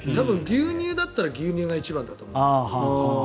牛乳だったら牛乳が一番だよ。